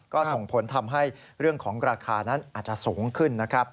ก็ส่งผลทำให้เรื่องของราคานั้นอาจจะสูงขึ้นนะครับ